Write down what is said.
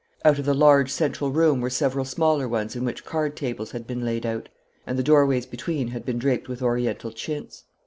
Out of the large central room were several smaller ones in which card tables had been laid out, and the doorways between had been draped with Oriental chintz.